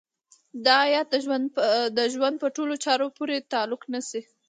دا ايت د ژوند په ټولو چارو پورې تعلق نيسي.